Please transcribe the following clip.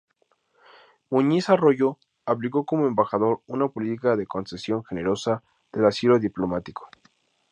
Muñiz Arroyo aplicó como embajador una política de concesión generosa del asilo diplomático.